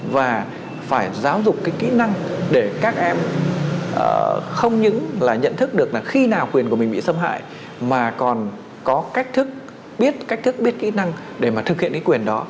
và phải giáo dục cái kỹ năng để các em không những là nhận thức được là khi nào quyền của mình bị xâm hại mà còn có cách thức biết cách thức biết kỹ năng để mà thực hiện cái quyền đó